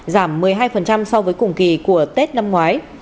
giảm một mươi hai so với cùng kỳ của tết năm ngoái